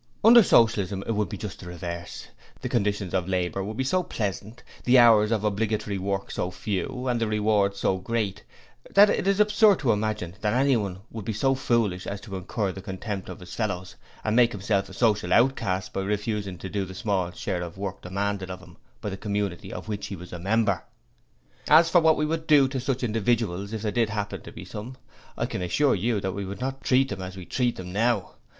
Under Socialism it would be just the reverse; the conditions of labour would be so pleasant, the hours of obligatory work so few, and the reward so great, that it is absurd to imagine that any one would be so foolish as to incur the contempt of his fellows and make himself a social outcast by refusing to do the small share of work demanded of him by the community of which he was a member. 'As for what we should do to such individuals if there did happen to be some, I can assure you that we would not treat them as you treat them now.